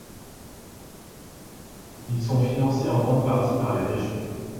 Ils sont financés en grande partie par les Régions.